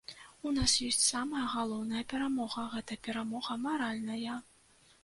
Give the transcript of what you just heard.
У нас ёсць самая галоўная перамога, гэта перамога маральная.